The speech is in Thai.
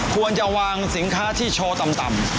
ควรจะวางสินค้าที่โชว์ต่ำ